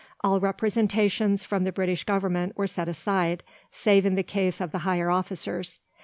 All representations from the British Government were set aside, save in the case of the higher officers.